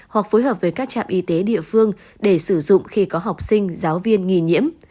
hoặc phối hợp với các trạm y tế địa phương để sử dụng khi có học sinh giáo viên nghỉ nhiễm